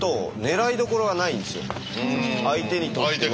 相手にとっては。